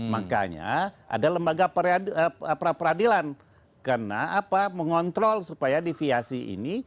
makanya ada lembaga peradilan karena mengontrol supaya deviasi ini